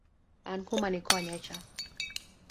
An kuma ni konyae cha